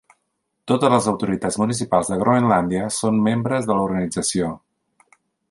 Totes les autoritats municipals de Groenlàndia són membres de l'organització.